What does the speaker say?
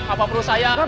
apa perlu saya